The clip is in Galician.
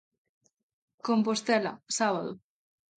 Compostela, sábado.